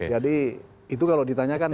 jadi itu kalau ditanyakan